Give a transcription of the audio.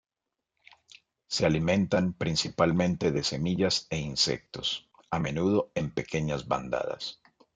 Se alimentan principalmente de semillas e insectos, a menudo en pequeñas bandadas.